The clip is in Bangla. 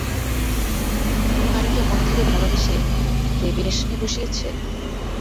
কোনো নারীকে মন থেকে ভালোবেসে দেবীর আসনে বসিয়েছে?